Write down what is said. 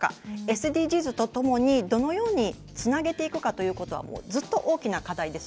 ＳＤＧｓとともに、どのようにつなげていくかということはずっと大きな課題です。